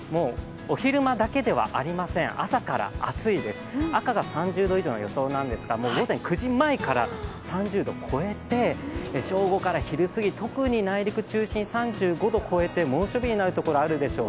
お昼間だけではありません、朝から暑いです、赤が３０度以上の予想なんですがもう午前９時前から３０度超えて正午から昼過ぎ、特に内陸中心、３５度超えて猛暑日になる所があるでしょう。